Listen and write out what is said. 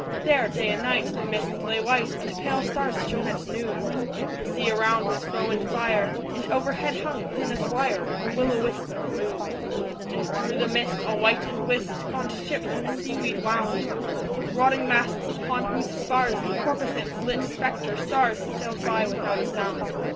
There, day and night, the mist lay white, And pale stars shone at noon; The sea around was foam and fire, And overhead hung, thin as wire, A will o' wisp of moon. And through the mist, all white and whist, Gaunt ships, with sea weed wound, With rotting masts, upon whose spars The corposants lit spectre stars, Sailed by without a sound.